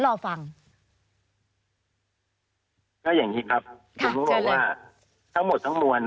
ข็รบหมดฮะ